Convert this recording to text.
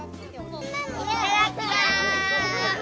いただきます。